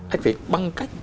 anh phải bằng cách